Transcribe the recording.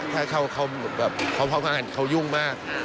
ถ้าเขาค่อยพร้อมทางการเขายุ่งมาก